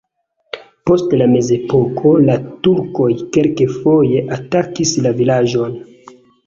Post la mezepoko la turkoj kelkfoje atakis la vilaĝon.